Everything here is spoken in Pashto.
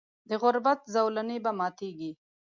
د غربت زولنې به ماتیږي.